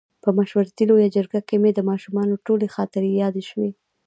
په مشورتي لویه جرګه کې مې د ماشومتوب ټولې خاطرې یادې شوې.